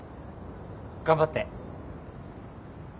頑張って。